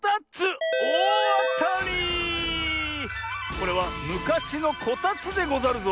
これはむかしのこたつでござるぞ。